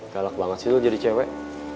galak banget sih jadi cewek